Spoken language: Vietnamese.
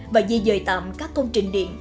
và di dời tạm các công trình điện